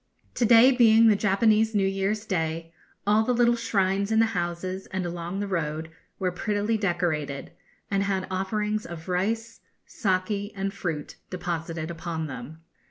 To day being the Japanese New Year's Day, all the little shrines in the houses and along the road were prettily decorated, and had offerings of rice, saki, and fruit deposited upon them.